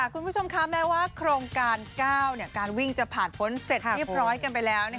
คุณผู้ชมคะแม้ว่าโครงการ๙การวิ่งจะผ่านพ้นเสร็จเรียบร้อยกันไปแล้ว